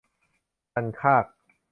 คันคาก